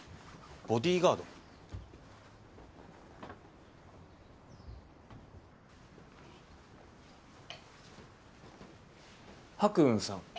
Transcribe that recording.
ボディーガード？白雲さん。